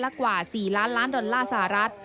กว่า๔ล้านล้านดอลลาร์สหรัฐ